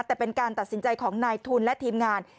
แต่เป็นการตัดสินใจของนายทุนและทีมงาน